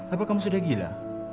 apa kamu sudah gila